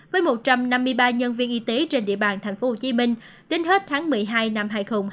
với một trăm năm mươi ba nhân viên y tế trên địa bàn tp hcm đến hết tháng một mươi hai năm hai nghìn hai mươi